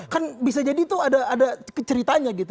kan bisa jadi tuh ada ceritanya gitu